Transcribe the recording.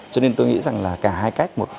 cho nên tôi nghĩ rằng là cả hai cách